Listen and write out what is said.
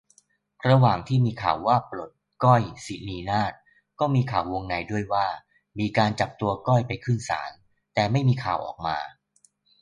ระหว่างที่มีข่าวว่าปลด ก้อย สินีนาฏ ก็มีข่าววงในด้วยว่า มีการจับตัวก้อยไปขึ้นศาล แต่ไม่มีข่าวออกมา